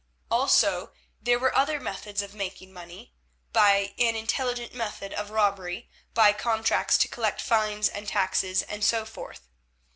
Also there were other methods of making money—by an intelligent method of robbery, by contracts to collect fines and taxes and so forth.